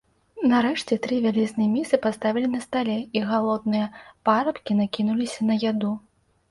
Нарэшце тры вялізныя місы паставілі на стале, і галодныя парабкі накінуліся на яду.